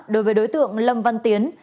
đối với đối tượng lâm văn tiến